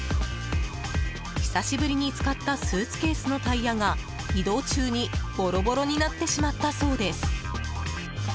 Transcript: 久しぶりに使ったスーツケースのタイヤが移動中に、ボロボロになってしまったそうです。